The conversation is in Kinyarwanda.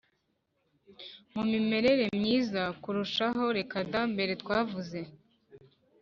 mu mimerere myiza kurushaho Reka da Mbere twavuze